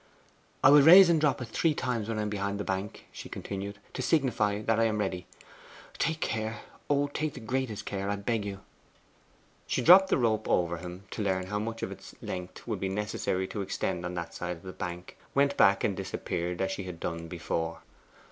'I will raise and drop it three times when I am behind the bank,' she continued, 'to signify that I am ready. Take care, oh, take the greatest care, I beg you!' She dropped the rope over him, to learn how much of its length it would be necessary to expend on that side of the bank, went back, and disappeared as she had done before.